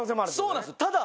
そうなんですただ。